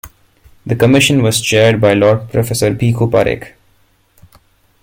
The commission was chaired by Lord Professor Bhikhu Parekh.